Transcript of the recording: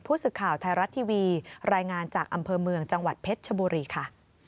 ผู้สื่อข่าวไทยรัฐทีวีรายงานจากอำเภอเมืองจังหวัดเพชรชบุรีค่ะ